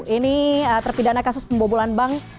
ini terpidana kasus pembobolan bank